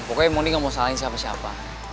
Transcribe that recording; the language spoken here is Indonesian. pokoknya ini gak mau salahin siapa siapa